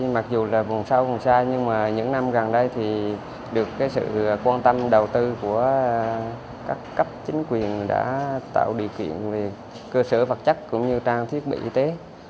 mặc dù là vùng sâu vùng xa nhưng mà những năm gần đây thì được sự quan tâm đầu tư của các cấp chính quyền đã tạo điều kiện về cơ sở vật chất cũng như trang thiết bị y tế